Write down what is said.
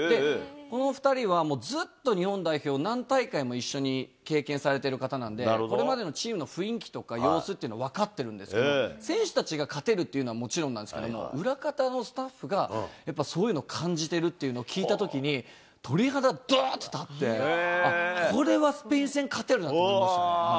この２人はずっと日本代表、何大会も一緒に経験されている方なんで、これまでのチームの雰囲気とか様子っていうのを分かってるんですけれども、選手たちが勝てるっていうのはもちろんなんですけれども、裏方のスタッフが、やっぱり、そういうの感じてるっていうのを聞いたときに、鳥肌、どーっと立って、あっ、これはスペイン戦、勝てるなと思いましたね。